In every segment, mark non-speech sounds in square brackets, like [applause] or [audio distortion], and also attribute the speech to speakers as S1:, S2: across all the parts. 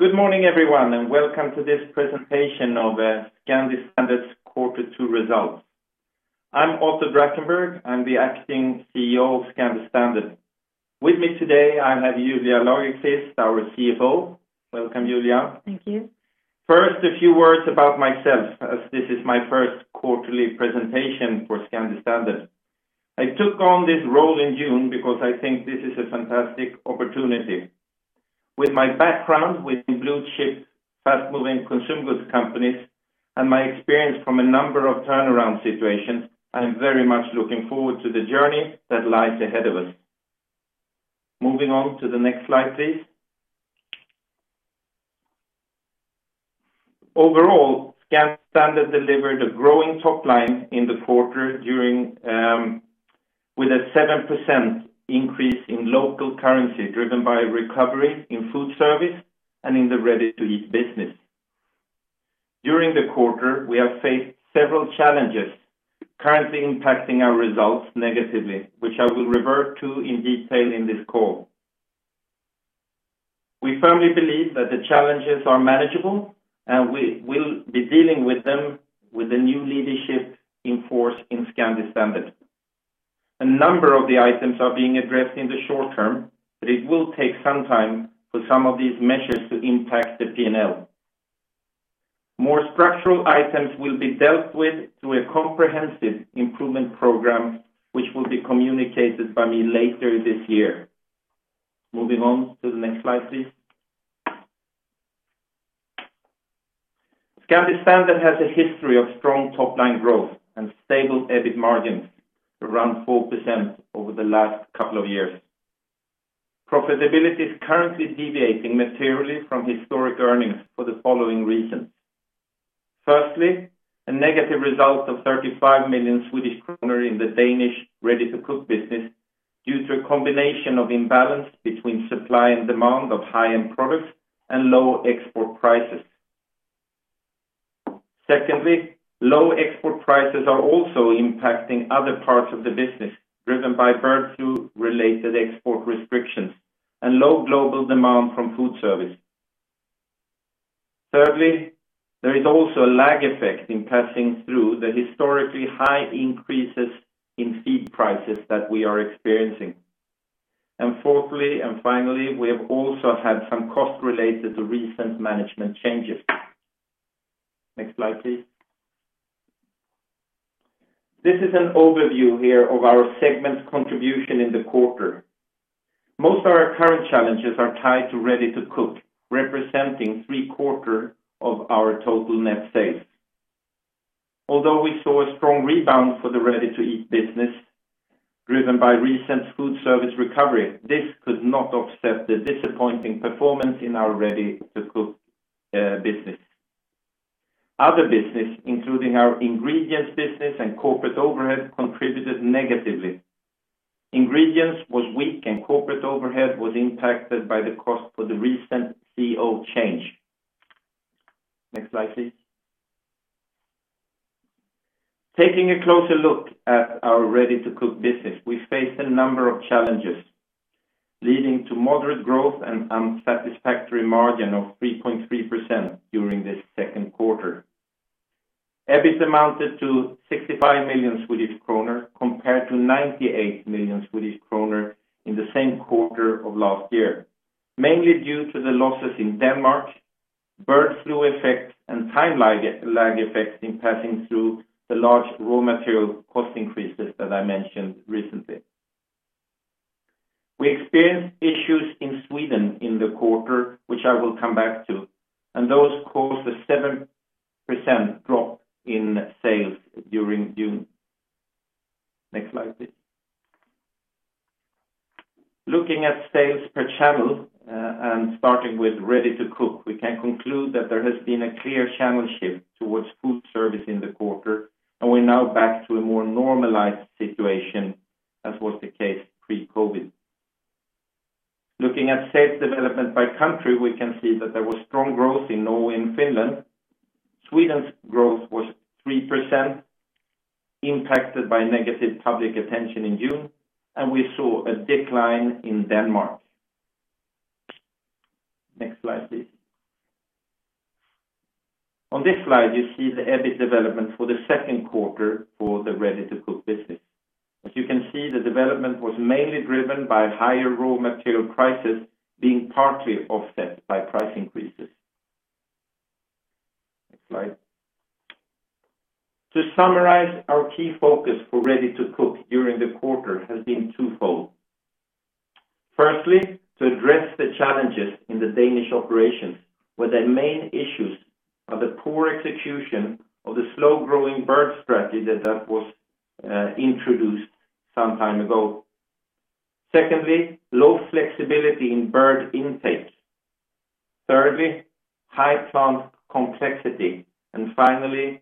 S1: Good morning, everyone, and welcome to this presentation of Scandi Standard's Quarter Two Results. I'm Otto Drakenberg. I'm the acting CEO of Scandi Standard. With me today, I have Julia Lagerqvist, our CFO. Welcome, Julia.
S2: Thank you.
S1: First, a few words about myself, as this is my first quarterly presentation for Scandi Standard. I took on this role in June because I think this is a fantastic opportunity. With my background with blue-chip, fast-moving consumer goods companies and my experience from a number of turnaround situations, I am very much looking forward to the journey that lies ahead of us. Moving on to the next slide, please. Overall, Scandi Standard delivered a growing top line in the quarter with a seven percent increase in local currency, driven by recovery in food service and in the Ready-to-Eat business. During the quarter, we have faced several challenges currently impacting our results negatively, which I will revert to in detail in this call. We firmly believe that the challenges are manageable, and we will be dealing with them with the new leadership in force in Scandi Standard. A number of the items are being addressed in the short term, but it will take some time for some of these measures to impact the P&L. More structural items will be dealt with through a comprehensive improvement program, which will be communicated by me later this year. Moving on to the next slide, please. Scandi Standard has a history of strong top-line growth and stable EBIT margins around four percent over the last couple of years. Profitability is currently deviating materially from historic earnings for the following reasons. Firstly, a negative result of 35 million Swedish kronor in the Danish Ready-to-Cook business due to a combination of imbalance between supply and demand of high-end products and low export prices. Secondly, low export prices are also impacting other parts of the business, driven by bird flu-related export restrictions and low global demand from food service. Thirdly, there is also a lag effect in passing through the historically high increases in feed prices that we are experiencing. Fourthly, and finally, we have also had some costs related to recent management changes. Next slide, please. This is an overview here of our segment contribution in the quarter. Most of our current challenges are tied to Ready-to-Cook, representing three quarter of our total net sales. Although we saw a strong rebound for the Ready-to-Eat business driven by recent food service recovery, this could not offset the disappointing performance in our Ready-to-Cook business. Other business, including our ingredients business and corporate overhead, contributed negatively. Ingredients was weak and corporate overhead was impacted by the cost for the recent CEO change. Next slide, please. Taking a closer look at our Ready-to-Cook business, we face a number of challenges, leading to moderate growth and unsatisfactory margin of three point three percent during this second quarter. EBIT amounted to 65 million Swedish kronor compared to 98 million Swedish kronor in the same quarter of last year, mainly due to the losses in Denmark, bird flu effect, and time lag effects in passing through the large raw material cost increases that I mentioned recently. We experienced issues in Sweden in the quarter, which I will come back to. Those caused a seven percent drop in sales during June. Next slide, please. Looking at sales per channel and starting with Ready-to-Cook, we can conclude that there has been a clear channel shift towards food service in the quarter. We're now back to a more normalized situation as was the case pre-COVID-19. Looking at sales development by country, we can see that there was strong growth in Norway and Finland. Sweden's growth was three percent, impacted by negative public attention in June, and we saw a decline in Denmark. Next slide, please. On this slide, you see the EBIT development for the second quarter for the Ready-to-Cook business. As you can see, the development was mainly driven by higher raw material prices being partly offset by price increases. Next slide. To summarize, our key focus for Ready-to-Cook during the quarter has been twofold. Firstly, to address the challenges in the Danish operations, where the main issues are the poor execution of the slow-growing bird strategy that was introduced some time ago. Secondly, low flexibility in bird intake. Thirdly, high plant complexity. Finally,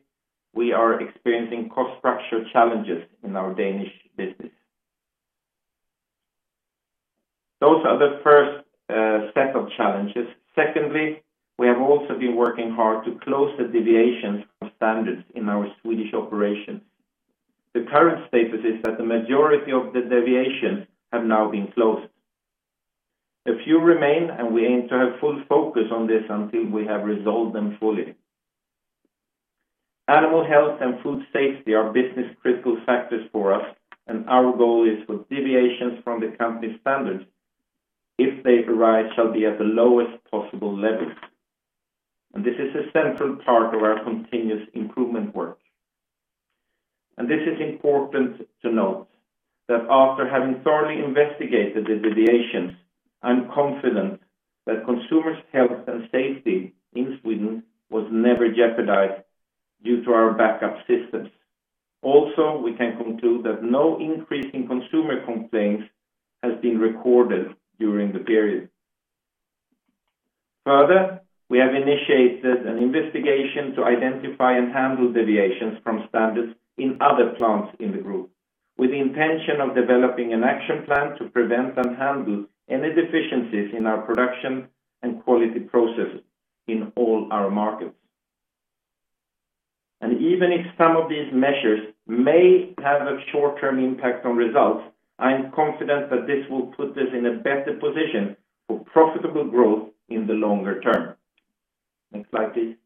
S1: we are experiencing cost structure challenges in our Danish business. Those are the first set of challenges. Secondly, we have also been working hard to close the deviations from standards in our Swedish operation. The current status is that the majority of the deviations have now been closed. A few remain, and we aim to have full focus on this until we have resolved them fully. Animal health and food safety are business-critical factors for us, and our goal is for deviations from the company standards, if they arise, shall be at the lowest possible level. This is a central part of our continuous improvement work. This is important to note that after having thoroughly investigated the deviations, I'm confident that consumers' health and safety in Sweden was never jeopardized due to our backup systems. Also, we can conclude that no increase in consumer complaints has been recorded during the period. We have initiated an investigation to identify and handle deviations from standards in other plants in the group, with the intention of developing an action plan to prevent and handle any deficiencies in our production and quality processes in all our markets. Even if some of these measures may have a short-term impact on results, I am confident that this will put us in a better position for profitable growth in the longer term. Next slide, please.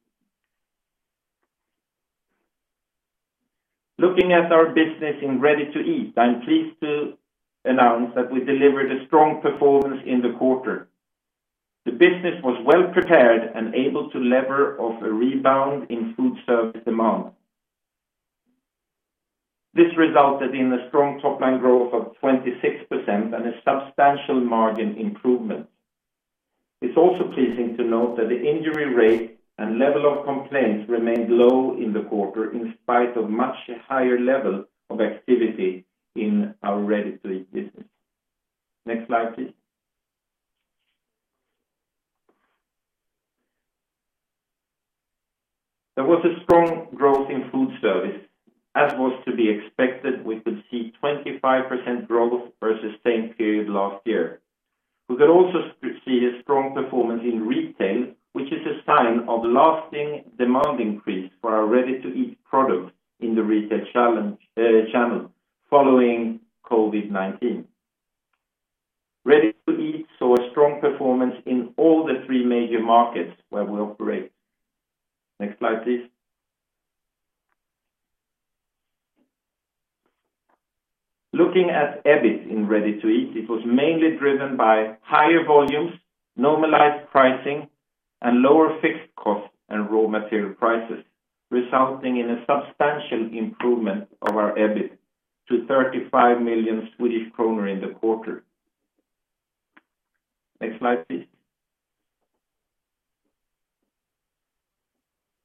S1: Looking at our business in Ready-to-Eat, I'm pleased to announce that we delivered a strong performance in the quarter. The business was well-prepared and able to lever off a rebound in food service demand. This resulted in a strong top-line growth of 26% and a substantial margin improvement. It's also pleasing to note that the injury rate and level of complaints remained low in the quarter, in spite of much higher levels of activity in our Ready-to-Eat business. Next slide, please. There was a strong growth in food service. As was to be expected, we could see 25% growth versus same period last year. We could also see a strong performance in retail, which is a sign of lasting demand increase for our Ready-to-Eat product in the retail channel following COVID-19. Ready-to-Eat saw a strong performance in all the three major markets where we operate. Next slide, please. Looking at EBIT in Ready-to-Eat, it was mainly driven by higher volumes, normalized pricing, and lower fixed costs and raw material prices, resulting in a substantial improvement of our EBIT to 35 million Swedish kronor in the quarter. Next slide, please.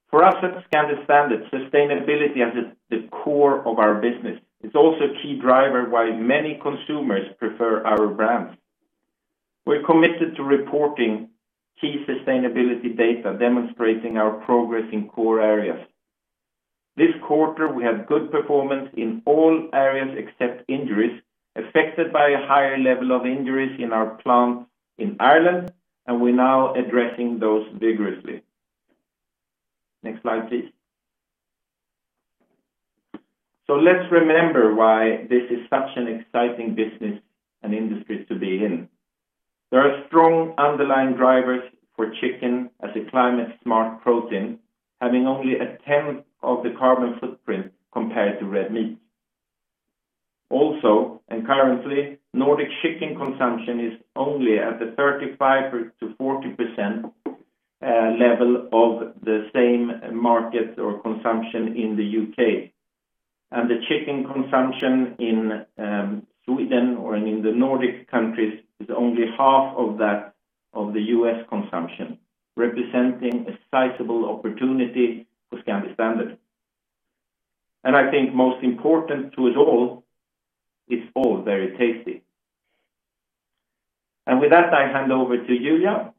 S1: For us at Scandi Standard, sustainability is at the core of our business. It's also a key driver why many consumers prefer our brands. We're committed to reporting key sustainability data, demonstrating our progress in core areas. This quarter, we had good performance in all areas except injuries, affected by a higher level of injuries in our plant in Ireland, and we're now addressing those vigorously. Next slide, please. Let's remember why this is such an exciting business and industry to be in. There are strong underlying drivers for chicken as a climate-smart protein, having only a tenth of the carbon footprint compared to red meat. Currently, Nordic chicken consumption is only at the 35%-40% level of the same market or consumption in the U.K. The chicken consumption in Sweden or in the Nordic countries is only half of that of the U.S. consumption, representing a sizable opportunity for Scandi Standard. I think most important to it all, it's all very tasty. With that, I hand over to Julia.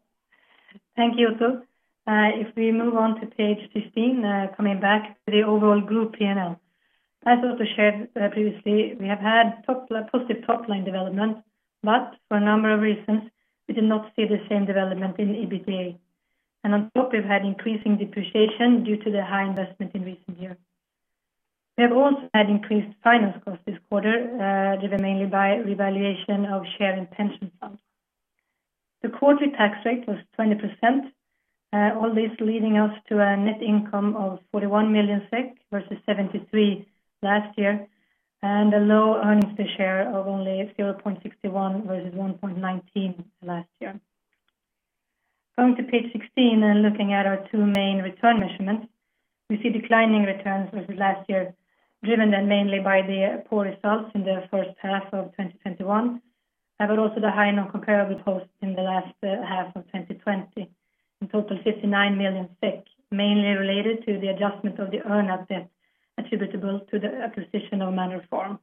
S2: Thank you, Otto Drakenberg. If we move on to page 15, coming back to the overall group P&L. As Otto Drakenberg shared previously, we have had positive top-line development, but for a number of reasons, we did not see the same development in the EBITDA. On top, we've had increasing depreciation due to the high investment in recent years. We have also had increased finance costs this quarter, driven mainly by revaluation of share in pension funds. The quarterly tax rate was 20%, all this leading us to a net income of 41 million SEK versus 73 last year, and a low earnings per share of only 0.61 versus 1.19 last year. Going to page 16 and looking at our two main return measurements, we see declining returns versus last year, driven then mainly by the poor results in the first half of 2021, but also the high non-comparable costs in the last half of 2020. In total, 59 million, mainly related to the adjustment of the earn-out debt attributable to the acquisition of Manor Farm.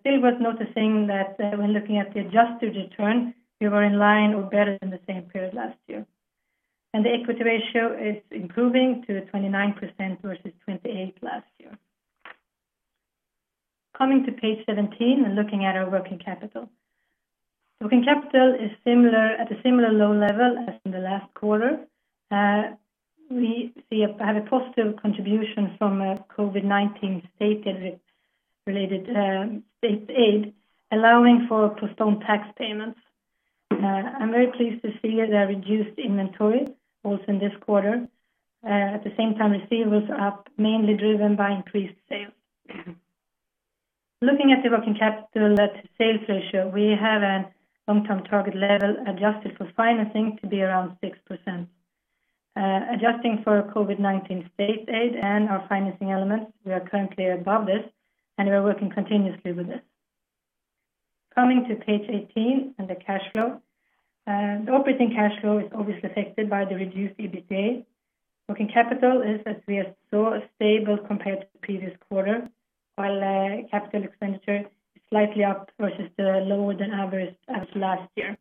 S2: Still worth noticing that when looking at the adjusted return, we were in line or better than the same period last year. The equity ratio is improving to 29% versus 28% last year. Coming to page 17 and looking at our working capital. Working capital is at a similar low level as in the last quarter. We have a positive contribution from a COVID-19 state related state aid allowing for postponed tax payments. I am very pleased to see that reduced inventory also in this quarter. At the same time, receivables are up, mainly driven by increased sales. Looking at the working capital at sales ratio, we have a long-term target level adjusted for financing to be around 6%. Adjusting for COVID-19 state aid and our financing elements, we are currently above this and we are working continuously with it. Coming to page 18 and the cash flow. The operating cash flow is obviously affected by the reduced EBITDA. Working capital is, as we saw, stable compared to the previous quarter, while capital expenditure is slightly up versus the lower than average as of last year.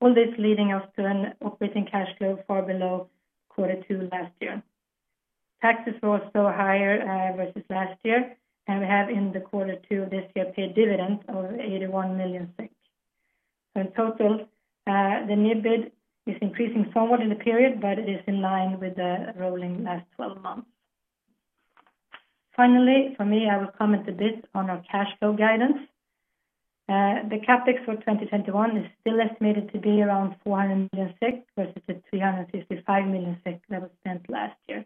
S2: All this leading us to an operating cash flow far below quarter two last year. Taxes were also higher, versus last year, and we have in the quarter two this year paid dividends of 81 million. In total, the NIBD is increasing forward in the period, but it is in line with the rolling last 12 months. Finally for me, I will comment a bit on our cash flow guidance. The CapEx for 2021 is still estimated to be around 400 million versus the 355 million that was spent last year.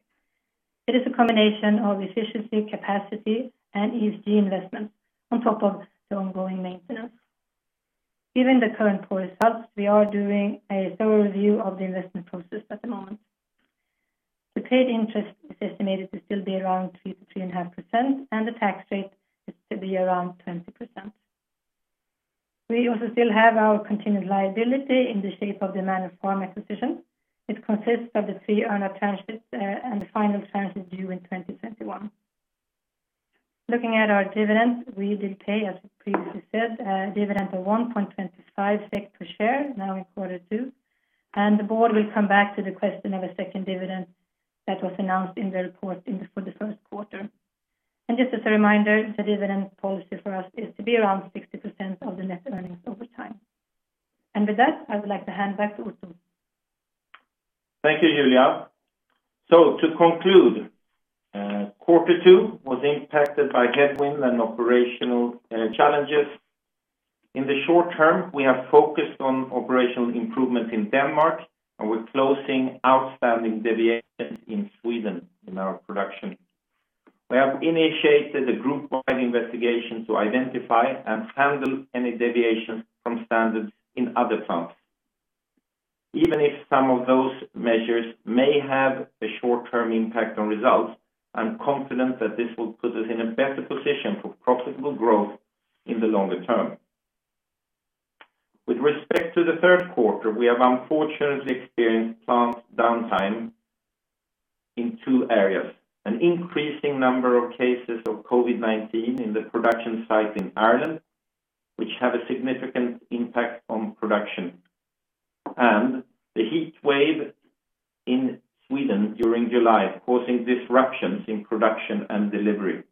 S2: It is a combination of efficiency, capacity and ESG investment on top of the ongoing maintenance. Given the current poor results, we are doing a thorough review of the investment process at the moment. The paid interest is estimated to still be around three, three and a half percent, and the tax rate is to be around 20%. We also still have our continued liability in the shape of the Manor Farm acquisition. It consists of the, [audio distortion] and the final transfer is due in 2021. Looking at our dividends, we did pay, as previously said, a dividend of 1.25 SEK per share now in quarter two. The board will come back to the question of a second dividend that was announced in the report for the first quarter. Just as a reminder, the dividend policy for us is to be around 60% of the net earnings over time. With that, I would like to hand back to Otto.
S1: Thank you, Julia. To conclude, quarter two was impacted by headwind and operational challenges. In the short term, we are focused on operational improvement in Denmark, and we're closing outstanding deviations in Sweden in our production. We have initiated a group-wide investigation to identify and handle any deviations from standards in other plants. Even if some of those measures may have a short-term impact on results, I'm confident that this will put us in a better position for profitable growth in the longer term. With respect to the third quarter, we have unfortunately experienced plant downtime in two areas, an increasing number of cases of COVID-19 in the production site in Ireland, which have a significant impact on production, and the heat wave in Sweden during July, causing disruptions in production and delivery.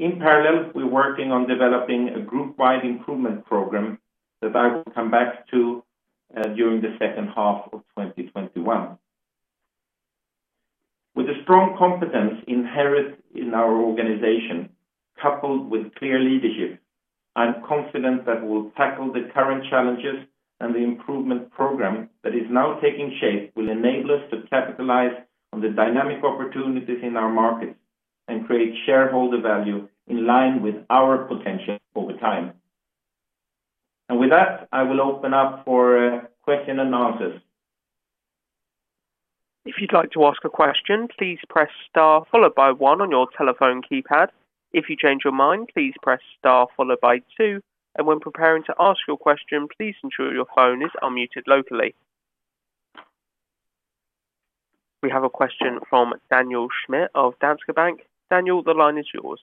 S1: In parallel, we're working on developing a group-wide improvement program that I will come back to during the second half of 2021. With the strong competence inherent in our organization coupled with clear leadership, I'm confident that we'll tackle the current challenges and the improvement program that is now taking shape will enable us to capitalize on the dynamic opportunities in our markets and create shareholder value in line with our potential over time. With that, I will open up for question and answers.
S3: We have a question from Daniel Schmidt of Danske Bank. Daniel, the line is yours.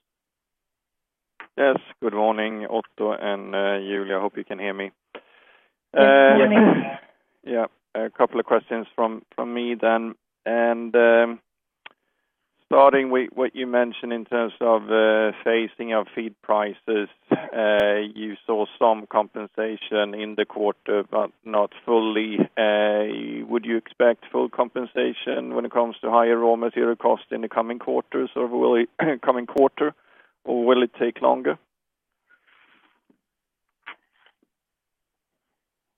S4: Yes. Good morning, Otto and Julia. I hope you can hear me.
S2: Yes. We hear you.
S4: Yeah. A couple of questions from me then. Starting with what you mentioned in terms of phasing of feed prices. You saw some compensation in the quarter, but not fully. Would you expect full compensation when it comes to higher raw material cost in the coming quarters or coming quarter or will it take longer?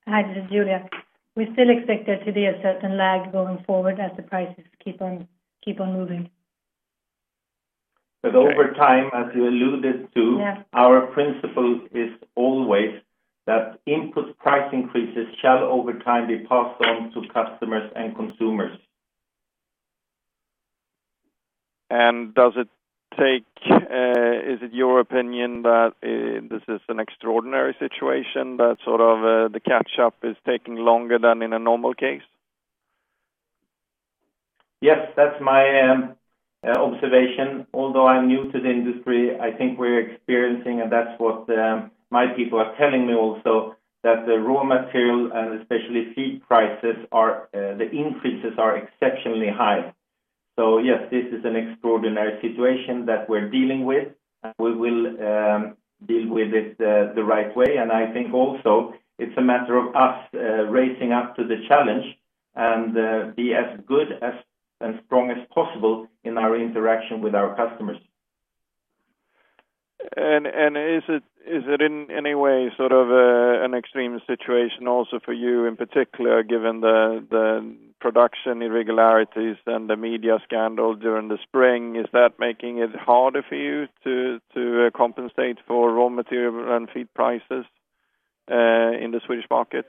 S2: Hi, this is Julia. We still expect there to be a certain lag going forward as the prices keep on moving.
S1: Over time, as you alluded to.
S2: Yeah
S1: Our principle is always that input price increases shall over time be passed on to customers and consumers.
S4: Is it your opinion that this is an extraordinary situation that sort of, the catch-up is taking longer than in a normal case?
S1: Yes, that's my observation. Although I'm new to the industry, I think we're experiencing, and that's what my people are telling me also, that the raw material and especially feed prices, the increases are exceptionally high. Yes, this is an extraordinary situation that we're dealing with. We will deal with it the right way, and I think also it's a matter of us rising up to the challenge and be as good and strong as possible in our interaction with our customers.
S4: Is it in any way sort of an extreme situation also for you, in particular, given the production irregularities and the media scandal during the spring? Is that making it harder for you to compensate for raw material and feed prices in the Swedish market?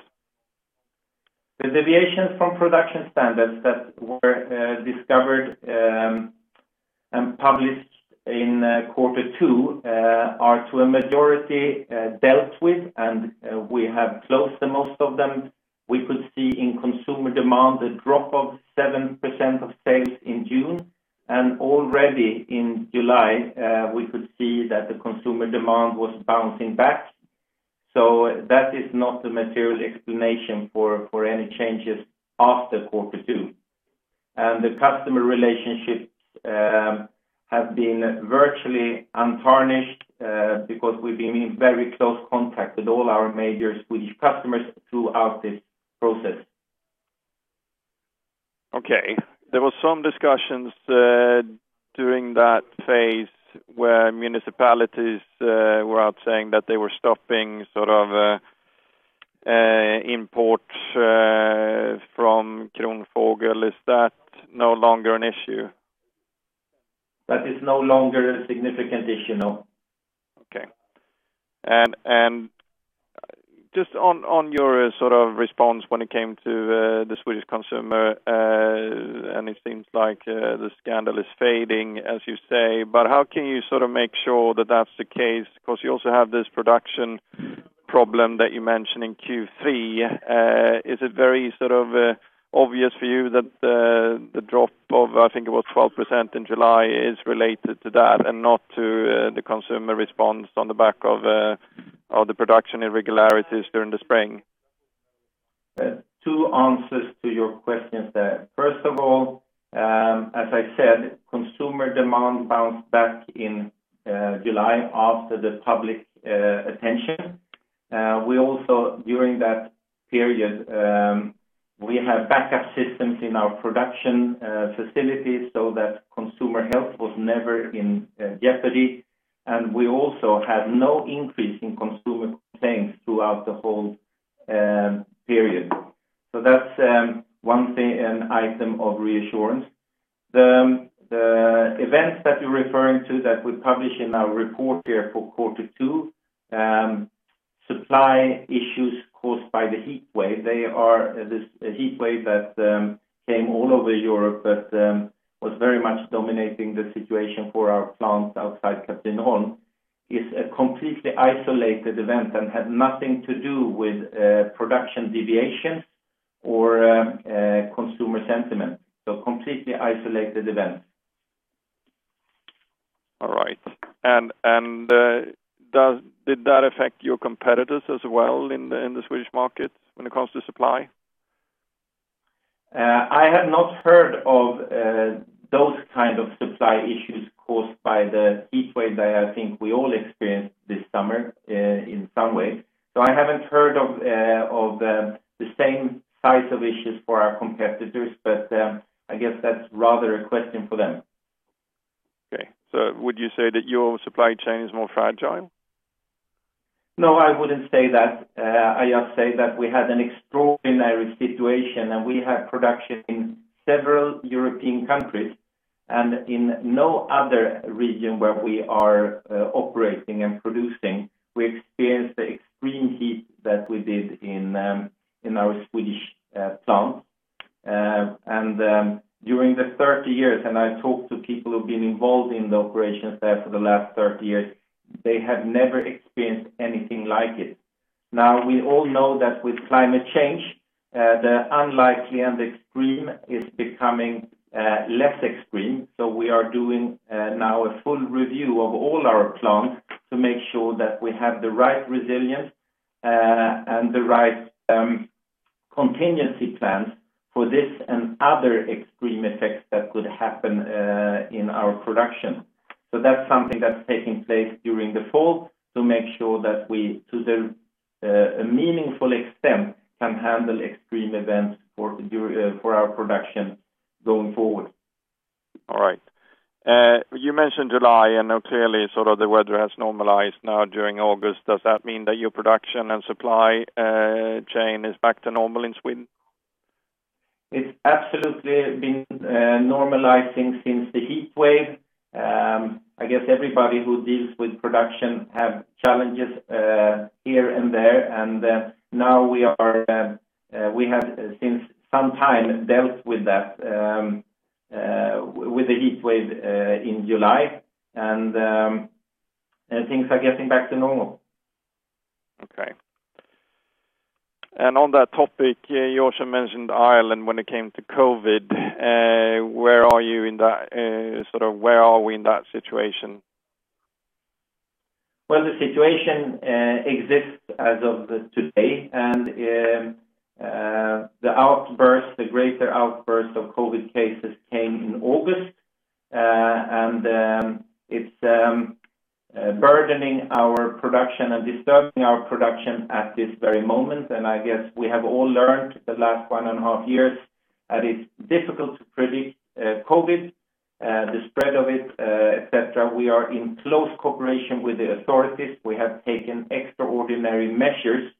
S1: The deviations from production standards that were discovered and published in Q2 are to a majority dealt with, and we have closed the most of them. We could see in consumer demand a drop of seven percent of sales in June, and already in July, we could see that the consumer demand was bouncing back. That is not a material explanation for any changes after Q2. The customer relationships have been virtually untarnished because we've been in very close contact with all our major Swedish customers throughout this process.
S4: Okay. There was some discussions during that phase where municipalities were out saying that they were stopping imports from Kronfågel. Is that no longer an issue?
S1: That is no longer a significant issue, no.
S4: Just on your response when it came to the Swedish consumer, and it seems like the scandal is fading, as you say, but how can you make sure that that's the case? You also have this production problem that you mentioned in Q3. Is it very obvious for you that the drop of, I think it was 12% in July, is related to that and not to the consumer response on the back of the production irregularities during the spring?
S1: Two answers to your questions there. First of all, as I said, consumer demand bounced back in July after the public attention. We also, during that period, we had backup systems in our production facilities so that consumer health was never in jeopardy. We also had no increase in consumer complaints throughout the whole period. That's one item of reassurance. The events that you're referring to that we publish in our report here for quarter two, supply issues caused by the heat wave. The heat wave that came all over Europe that was very much dominating the situation for our plant outside Katrineholm is a completely isolated event and had nothing to do with production deviations or consumer sentiment. Completely isolated event.
S4: All right. Did that affect your competitors as well in the Swedish market when it comes to supply?
S1: I have not heard of those kind of supply issues caused by the heat wave that I think we all experienced this summer in some way. I haven't heard of the same size of issues for our competitors, but I guess that's rather a question for them.
S4: Okay. Would you say that your supply chain is more fragile?
S1: No, I wouldn't say that. I just say that we had an extraordinary situation. We have production in several European countries. In no other region where we are operating and producing, we experienced the extreme heat that we did in our Swedish plant. During the 30 years, I talked to people who've been involved in the operations there for the last 30 years, they have never experienced anything like it. Now, we all know that with climate change, the unlikely and the extreme is becoming less extreme. We are doing now a full review of all our plants to make sure that we have the right resilience and the right contingency plans for this and other extreme effects that could happen in our production. That's something that's taking place during the fall to make sure that we, to the meaningful extent, can handle extreme events for our production going forward.
S4: All right. You mentioned July, and now clearly the weather has normalized now during August. Does that mean that your production and supply chain is back to normal in Sweden?
S1: It's absolutely been normalizing since the heat wave. I guess everybody who deals with production have challenges here and there, and now we have since some time dealt with the heat wave in July, and things are getting back to normal.
S4: Okay. On that topic, you also mentioned Ireland when it came to COVID. Where are we in that situation?
S1: Well, the situation exists as of today. The greater outburst of COVID cases came in August, and it's burdening our production and disturbing our production at this very moment. I guess we have all learned the last one and a half years that it's difficult to predict COVID, the spread of it, et cetera. We are in close cooperation with the authorities. We have taken extraordinary measures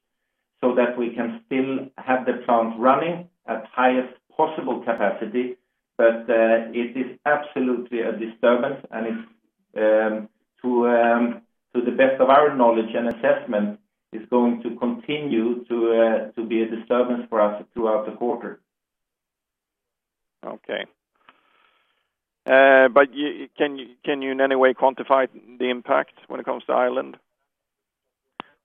S1: so that we can still have the plant running at highest possible capacity. It is absolutely a disturbance, and to the best of our knowledge and assessment, is going to continue to be a disturbance for us throughout the quarter.
S4: Okay. Can you in any way quantify the impact when it comes to Ireland?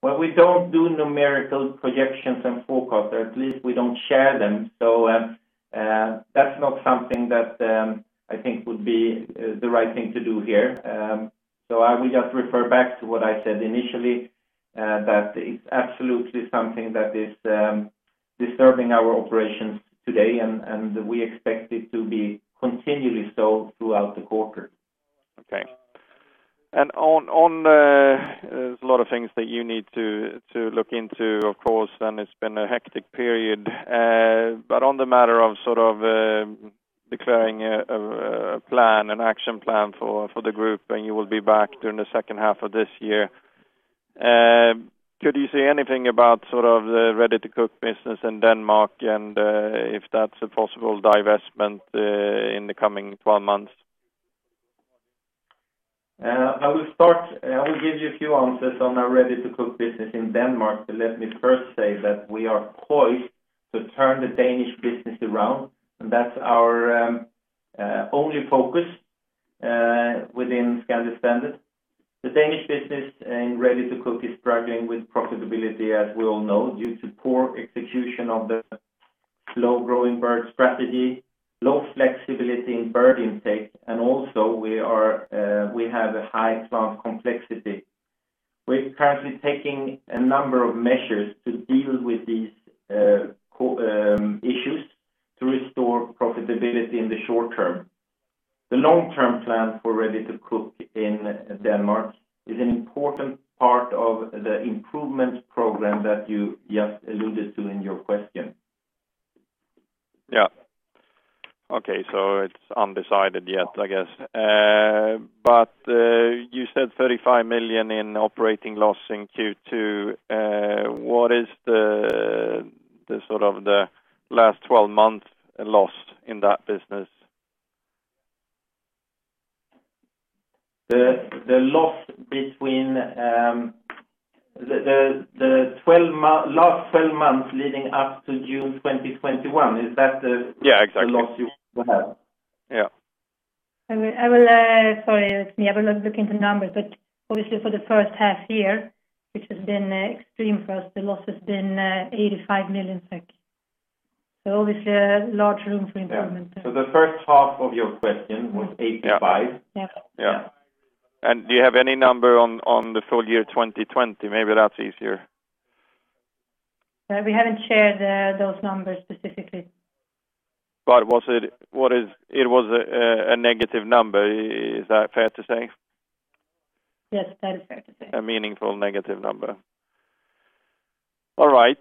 S1: Well, we don't do numerical projections and forecasts, or at least we don't share them. That's not something that I think would be the right thing to do here. I will just refer back to what I said initially, that it's absolutely something that is disturbing our operations today, and we expect it to be continually so throughout the quarter.
S4: Okay. There's a lot of things that you need to look into, of course, and it's been a hectic period. On the matter of declaring an action plan for the group, and you will be back during the second half of this year, could you say anything about the Ready-to-Cook business in Denmark and if that's a possible divestment in the coming 12 months?
S1: I will give you a few answers on our Ready-to-Cook business in Denmark. Let me first say that we are poised to turn the Danish business around, and that's our only focus within Scandi Standard. The Danish business in Ready-to-Cook is struggling with profitability, as we all know, due to poor execution of the slow-growing bird strategy, low flexibility in bird intake, and also we have a high plant complexity. We're currently taking a number of measures to deal with these issues to restore profitability in the short term. The long-term plan for Ready-to-Cook in Denmark is an important part of the improvement program that you just alluded to in your question.
S4: Yeah. Okay. It's undecided yet, I guess. You said 35 million in operating loss in Q2. What is the last 12 months loss in that business?
S1: The last 12 months leading up to June 2021, is that?
S4: Yeah, exactly.
S1: the loss you have?
S4: Yeah.
S2: Sorry, it is me. I will look into numbers, but obviously for the first half year, which has been extreme for us, the loss has been 85 million. Obviously, a large room for improvement there.
S1: The first half of your question was 85.
S2: Yes.
S4: Yeah. Do you have any number on the full year 2020? Maybe that's easier.
S2: We haven't shared those numbers specifically.
S4: It was a negative number, is that fair to say?
S2: Yes, that is fair to say.
S4: A meaningful negative number. All right.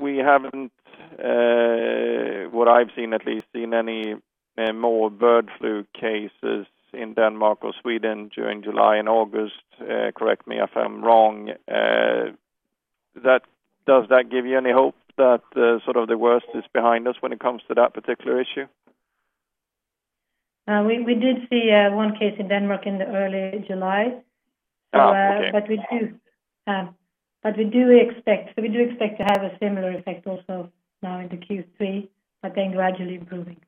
S4: We haven't, what I've seen at least, seen any more bird flu cases in Denmark or Sweden during July and August. Correct me if I'm wrong. Does that give you any hope that the worst is behind us when it comes to that particular issue?
S2: We did see one case in Denmark in the early July. We do expect to have a similar effect also now into Q3, but then gradually improving.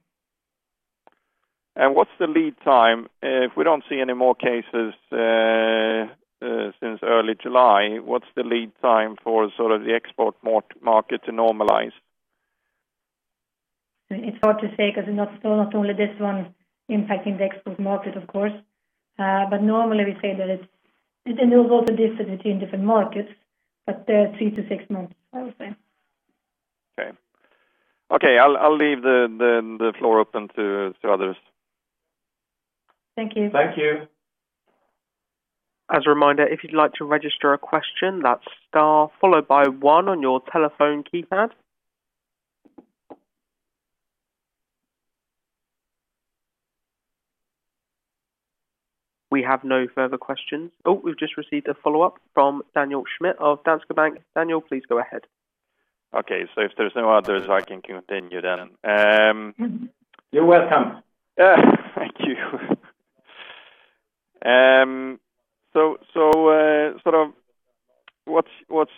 S4: What's the lead time? If we don't see any more cases since early July, what's the lead time for the export market to normalize?
S2: It's hard to say because it's not only this one impacting the export market, of course. Normally, we say that there's also a difference between different markets, but three to six months, I would say.
S4: Okay. I'll leave the floor open to others.
S2: Thank you.
S1: Thank you.
S3: As a reminder, if you'd like to register a question, that's star one on your telephone keypad. We have no further questions. Oh, we've just received a follow-up from Daniel Schmidt of Danske Bank. Daniel, please go ahead.
S4: Okay. If there's no others, I can continue then.
S1: You're welcome.
S4: Thank you. What's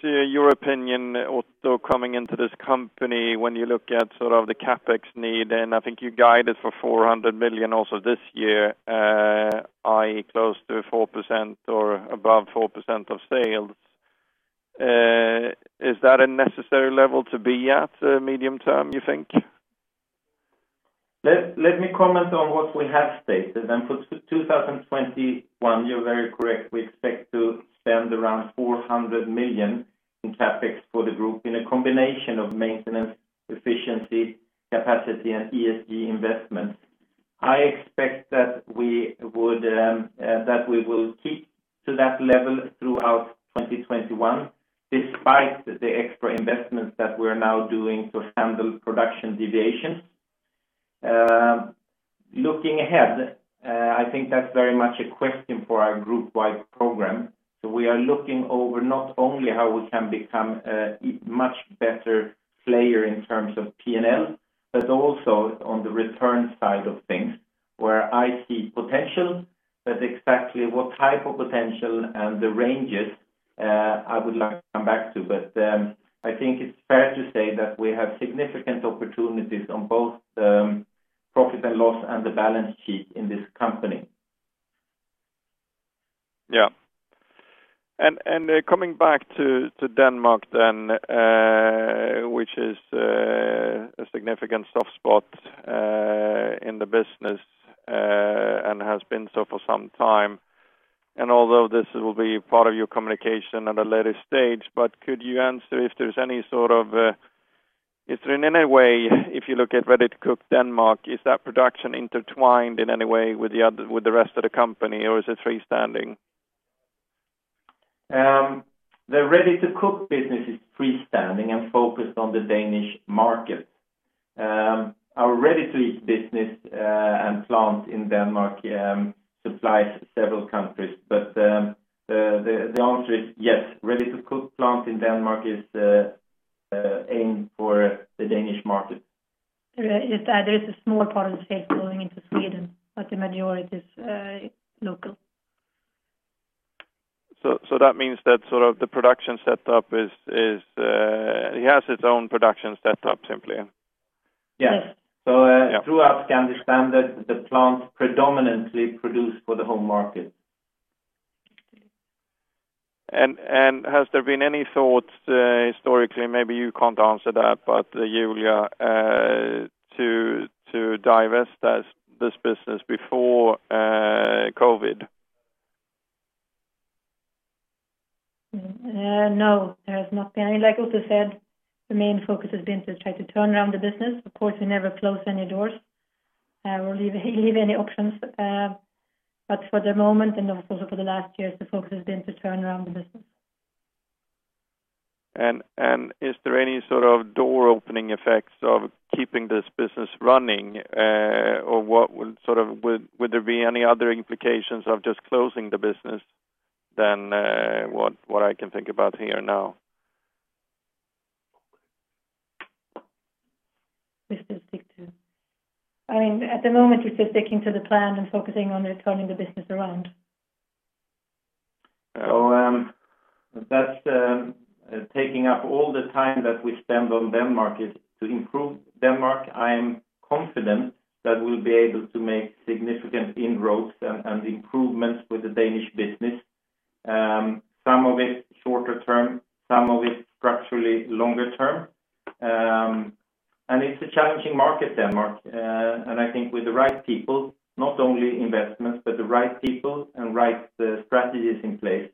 S4: your opinion also coming into this company when you look at the CapEx need? I think you guided for 400 million also this year, i.e., close to four percent or above four percent of sales. Is that a necessary level to be at medium term, you think?
S1: Let me comment on what we have stated. For 2021, you're very correct. We expect to spend around 400 million in CapEx for the group in a combination of maintenance, efficiency, capacity, and ESG investments. I expect that we will keep to that level throughout 2021, despite the extra investments that we're now doing to handle production deviations. Looking ahead, I think that's very much a question for our group-wide program. We are looking over not only how we can become a much better player in terms of P&L, but also on the return side of things, where I see potential. Exactly what type of potential and the ranges, I would like to come back to. I think it's fair to say that we have significant opportunities on both profit and loss and the balance sheet in this company.
S4: Yeah. Coming back to Denmark, which is a significant soft spot in the business and has been so for some time, although this will be part of your communication at a later stage, could you answer if there's any way, if you look at Ready-to-Cook Denmark, is that production intertwined in any way with the rest of the company, or is it freestanding?
S1: The Ready-to-Cook business is freestanding and focused on the Danish market. Our Ready-to-Eat business and plant in Denmark supplies several countries. The answer is yes, Ready-to-Cook plant in Denmark is aimed for the Danish market.
S2: There is a small part of the sales going into Sweden, but the majority is local.
S4: That means that it has its own production setup, simply?
S1: Yes. Throughout Scandi Standard, the plants predominantly produce for the home market.
S4: Has there been any thoughts historically, maybe you can't answer that, but Julia, to divest this business before COVID-19?
S2: No, there has not been. Like Otto said, the main focus has been to try to turn around the business. Of course, we never close any doors or leave any options. For the moment, and of course, for the last years, the focus has been to turn around the business.
S4: Is there any sort of door-opening effects of keeping this business running? Would there be any other implications of just closing the business than what I can think about here now?
S2: At the moment, we're still sticking to the plan and focusing on turning the business around.
S1: That's taking up all the time that we spend on Denmark is to improve Denmark. I am confident that we'll be able to make significant inroads and improvements with the Danish business. Some of it shorter term, some of it structurally longer term. It's a challenging market, Denmark. I think with the right people, not only investments, but the right people and right strategies in place,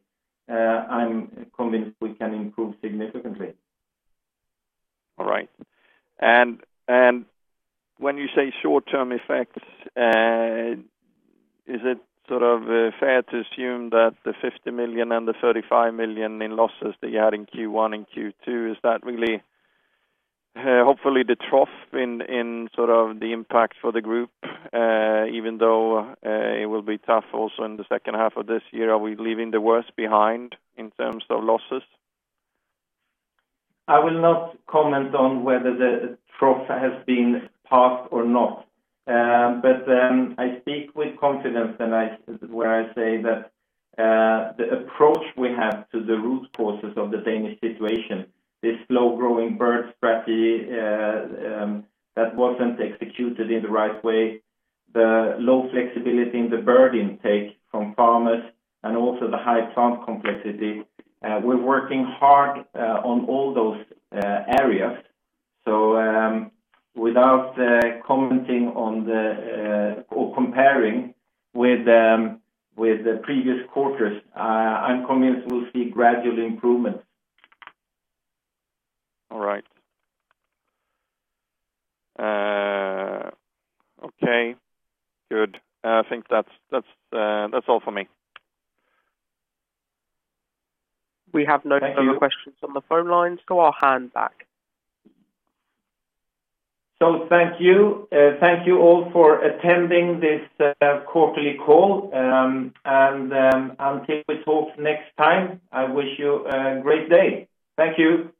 S1: I'm convinced we can improve significantly.
S4: All right. When you say short-term effects, is it fair to assume that the 50 million and the 35 million in losses that you had in Q1 and Q2, is that really, hopefully, the trough in the impact for the group, even though it will be tough also in the second half of this year? Are we leaving the worst behind in terms of losses?
S1: I will not comment on whether the trough has been passed or not. I speak with confidence where I say that the approach we have to the root causes of the Danish situation, this slow-growing bird strategy that wasn't executed in the right way, the low flexibility in the bird intake from farmers, and also the high plant complexity, we're working hard on all those areas. Without commenting or comparing with the previous quarters, I'm convinced we'll see gradual improvements.
S4: All right. Okay, good. I think that's all for me.
S3: We have no other questions on the phone lines. I'll hand back.
S1: Thank you. Thank you all for attending this quarterly call. Until we talk next time, I wish you a great day. Thank you.